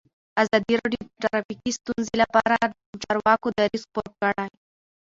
ازادي راډیو د ټرافیکي ستونزې لپاره د چارواکو دریځ خپور کړی.